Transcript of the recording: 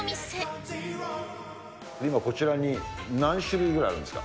今、こちらに何種類ぐらいあるんですか？